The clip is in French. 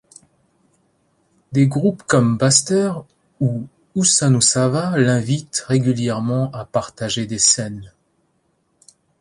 Des groupes comme Baster ou Ousanousava l'invitent régulièrement à partager des scènes.